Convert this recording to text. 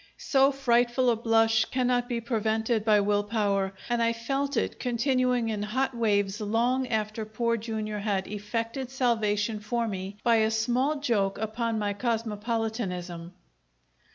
So frightful a blush cannot be prevented by will power, and I felt it continuing in hot waves long after Poor Jr. had effected salvation for me by a small joke upon my cosmopolitanism.